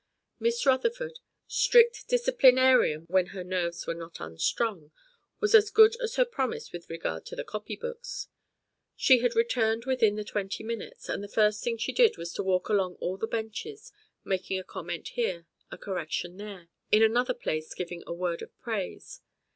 Miss Rutherford, strict disciplinarian when her nerves were not unstrung, was as good as her promise with regard to the copy books. She had returned within the twenty minutes, and the first thing she did was to walk along all the benches, making a comment here, a correction there, in another place giving a word of praise.